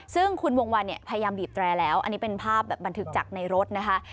ซึ่งคุณวงวันเนี่ยพยายามบีบแตรแล้วอันนี้เป็นภาพแบบบันทึกจากในรถนะคะ